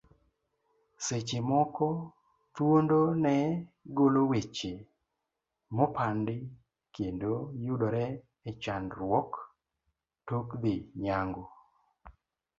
Seche moko, thuondo ne golo weche mopandi, kendo yudore e chandruok tok dhi nyango.